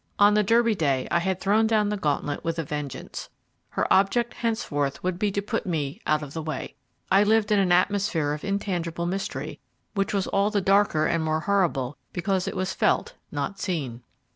On the Derby Day I had thrown down the gauntlet with a vengeance her object henceforth would be to put me out of the way. I lived in an atmosphere of intangible mystery, which was all the darker and more horrible because it was felt, not seen.